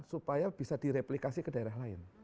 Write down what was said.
supaya bisa direplikasi ke daerah lain